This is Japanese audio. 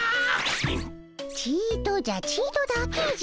ちとじゃちとだけじゃ。